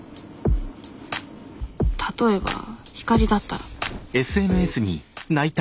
例えば光莉だったら。